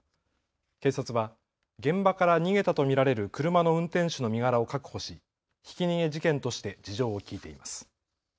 警察は現場から逃げたと見られる車の運転手の身柄を確保しひき逃げ事件として事情を聞いています。